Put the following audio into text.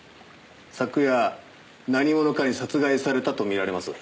昨夜何者かに殺害されたと見られます。